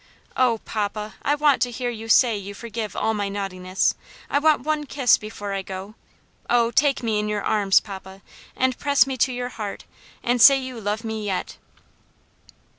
"Oh, papa, I want to hear you say you forgive all my naughtiness. I want one kiss before I go. Oh, take me in your arms, papa, and press me to your heart, and say you love me yet!"